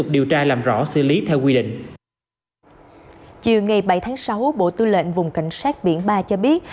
chiều ngày bảy tháng sáu bộ tư lệnh vùng cảnh sát biển ba cho biết